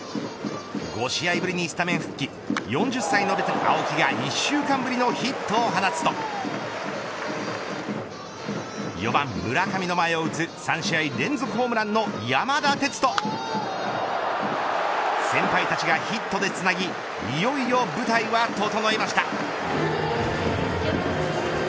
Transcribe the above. ５試合ぶりにスタメン復帰４０歳のベテラン青木が１週間ぶりのヒットを放つと４番、村上の前を打つ３試合連続ホームランの山田哲人先輩たちがヒットでつなぎいよいよ舞台は整いました。